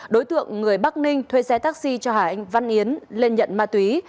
đối tượng người bắc ninh thuê xe taxi cho hà anh văn yến lên nhận ma túy